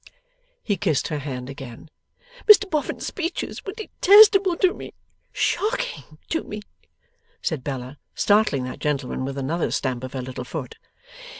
He kissed her hand again. 'Mr Boffin's speeches were detestable to me, shocking to me,' said Bella, startling that gentleman with another stamp of her little foot.